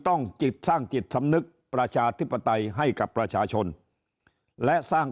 ต้องจิตสร้างจิตสำนึกประชาธิปไตยให้กับประชาชนและสร้าง